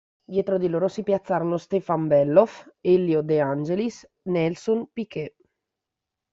Dietro di loro si piazzarono Stefan Bellof, Elio De Angelis e Nelson Piquet.